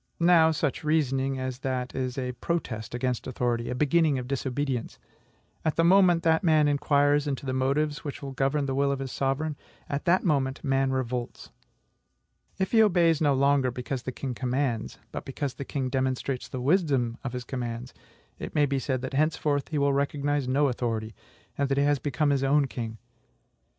Now, such reasoning as that is a protest against authority, a beginning of disobedience. At the moment that man inquires into the motives which govern the will of his sovereign, at that moment man revolts. If he obeys no longer because the king commands, but because the king demonstrates the wisdom of his commands, it may be said that henceforth he will recognize no authority, and that he has become his own king.